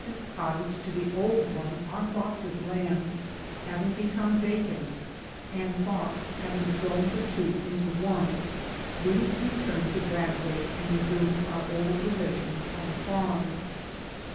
BRAD WAY AND TOWARDS DEMOCRACY 105 cottage to the old one on Fox's land having become vacant, and Fox having thrown the two into one, we returned to Bradway and resumed our old relations on the farm.